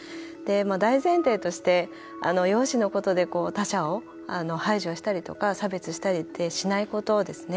大前提として容姿のことで他者を排除したりとか差別したりとかってしないことですね。